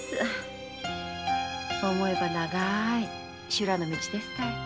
思えば長い修羅の道ですたい。